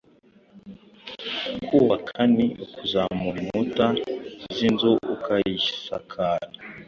Kubaka ni ukuzamura inkuta z’inzu ukayisakara,